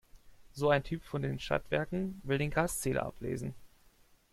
So ein Typ von den Stadtwerken will den Gaszähler ablesen.